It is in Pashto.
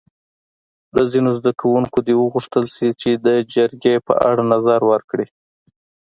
له ځینو زده کوونکو دې وغوښتل شي چې د جرګې په اړه نظر ورکړي.